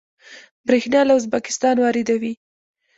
بریښنا له ازبکستان واردوي